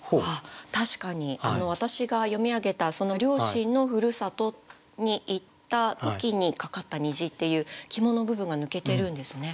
確かに私が読み上げた両親の故郷に行った時にかかった虹っていう肝の部分が抜けてるんですね。